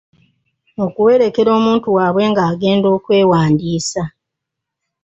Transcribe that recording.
Okuwerekera omuntu waabwe nga agenda okwewandiisa.